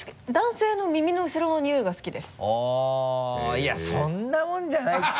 いやそんなもんじゃないって。